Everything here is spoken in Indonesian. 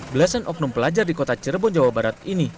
belasan oknum pelajar di kota cirebon jawa barat ini